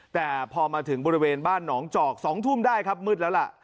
แต่พอมาถึงบริเวณบ้านหนองจอก๒ทุ่มได้ครับมืดแล้วล่ะ